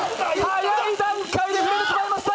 早い段階で触れてしまいました。